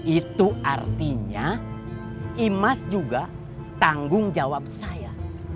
itu artinya imas juga tanggung jawab saya